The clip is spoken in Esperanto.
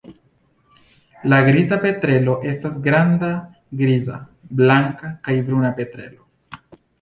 La Griza petrelo estas granda griza, blanka kaj bruna petrelo.